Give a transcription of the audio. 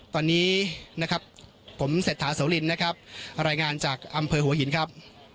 ตอนนี้นะครับผมเศรษฐาโสลินนะครับรายงานจากอำเภอหัวหินครับ